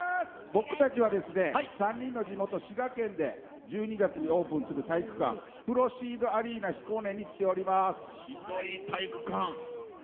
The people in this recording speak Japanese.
僕たちは３人の地元滋賀県で１２月にオープンする体育館プロシードアリーナＨＩＫＯＮＥ来ています。